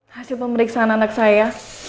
hasil pemeriksaan anak saya